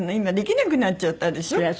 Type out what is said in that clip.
今できなくなっちゃったでしょ？